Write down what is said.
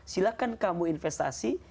silahkan kamu investasi